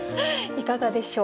いかがでしょう？